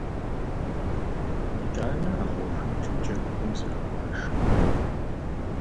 ИтӀанэ а гъуэ хуитым джэгухэм зрагуашэ.